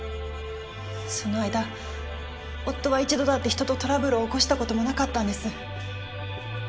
その間夫は一度だって人とトラブルを起こしたこともなかったんです。